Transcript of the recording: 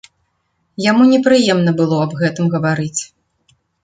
Яму непрыемна было аб гэтым гаварыць.